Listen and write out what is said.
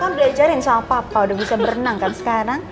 kan belajarin sama papa udah bisa berenang kan sekarang